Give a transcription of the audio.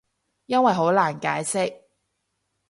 因為好難解釋